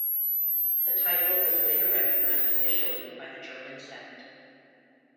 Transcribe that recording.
The title was later recognised officially by the German Senate.